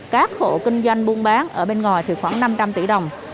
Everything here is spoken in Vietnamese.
các hộ kinh doanh buôn bán ở bên ngoài thì khoảng năm trăm linh tỷ đồng